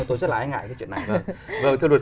tôi rất là ái ngại cái chuyện này